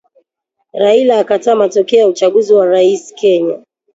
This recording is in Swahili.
Raila akataa matokeo ya uchaguzi wa rais Kenya